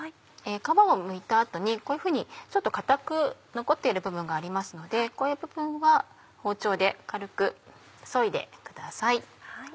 皮をむいた後にこういうふうにちょっと硬く残っている部分がありますのでこういう部分は包丁で軽くそいでください。